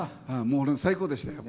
もう最高でしたよ。